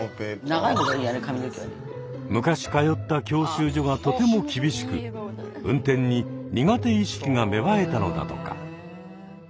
昔通った教習所がとても厳しく運転に苦手意識が芽生えたのだとか。